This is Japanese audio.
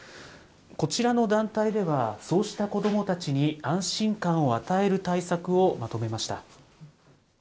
こちらの団体では、そうした子どもたちに安心感を与える対策をまとめました。